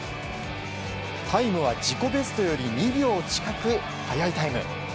タイムは自己ベストより２秒近く速いタイム。